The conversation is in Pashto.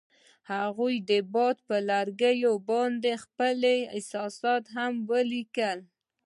هغوی د باد پر لرګي باندې خپل احساسات هم لیکل.